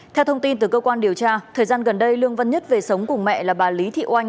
theo thông tin từ cơ quan điều tra thời gian gần đây lương văn nhất về sống cùng mẹ là bà lý thị oanh